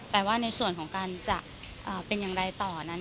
แต่ว่าในส่วนของการจะเป็นอย่างไรต่อนั้น